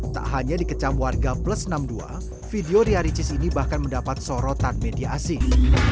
tak hanya dikecam warga plus enam puluh dua video ria ricis ini bahkan mendapat sorotan media asing